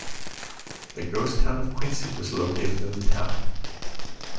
The ghost town of Quincy was located in the town.